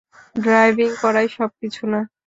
Driving করাই সবকিছু না।